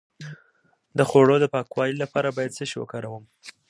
د خوړو د پاکوالي لپاره باید څه شی وکاروم؟